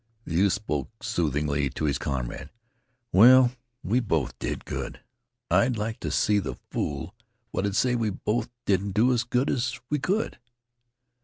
The youth spoke soothingly to his comrade. "Well, we both did good. I'd like to see the fool what'd say we both didn't do as good as we could!"